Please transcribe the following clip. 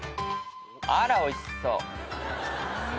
あらおいしそう。